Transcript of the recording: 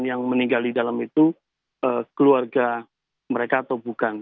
dan yang meninggal di dalam itu keluarga mereka atau bukan